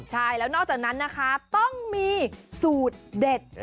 ใช่แล้วนอกจากนั้นนะคะต้องมีสูตรเด็ด